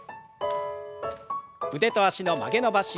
腕と脚の曲げ伸ばし。